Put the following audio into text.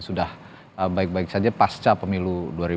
sudah baik baik saja pasca pemilu dua ribu dua puluh